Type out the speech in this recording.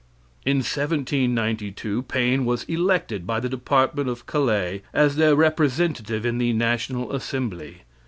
In 1792, Paine was elected by the department of Calais as their representative in the National Assembly.